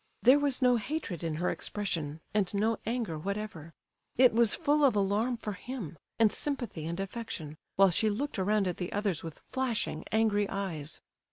There was no hatred in her expression, and no anger whatever. It was full of alarm for him, and sympathy and affection, while she looked around at the others with flashing, angry eyes.